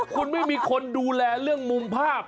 คุณไม่มีคนดูแลเรื่องมุมภาพ